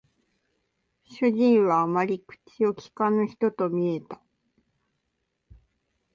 主人はあまり口を聞かぬ人と見えた